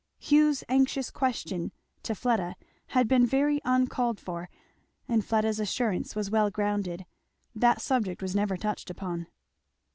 Hugh's anxious question to Fleda had been very uncalled for, and Fleda's assurance was well grounded; that subject was never touched upon.